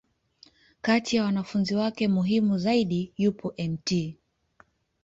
Kati ya wanafunzi wake muhimu zaidi, yupo Mt.